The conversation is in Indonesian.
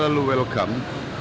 pd perjaun selalu welcome